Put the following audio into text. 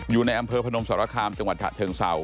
อยู่ในอำเภอพนมสารคามจังหวัดฉะเชิงเศร้า